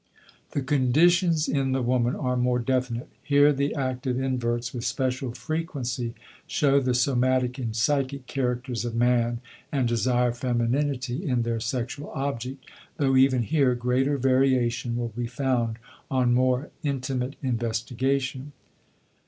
The conditions in the woman are more definite; here the active inverts, with special frequency, show the somatic and psychic characters of man and desire femininity in their sexual object; though even here greater variation will be found on more intimate investigation.